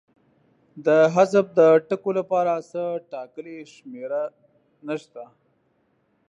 د حذف د ټکو لپاره څه ټاکلې شمېر نشته.